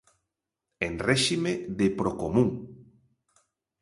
En réxime de procomún.